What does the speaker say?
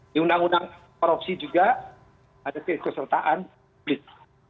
di undang undang korupsi juga ada keikutsertaan publik